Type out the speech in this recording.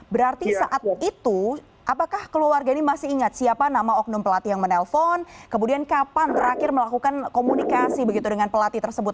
berarti saat itu apakah keluarga ini masih ingat siapa nama oknum pelatih yang menelpon kemudian kapan terakhir melakukan komunikasi begitu dengan pelatih tersebut